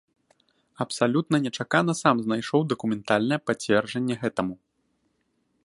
Абсалютна нечакана сам знайшоў дакументальнае пацверджанне гэтаму.